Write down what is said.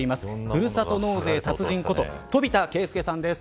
ふるさと納税の達人こと飛田啓介さんです。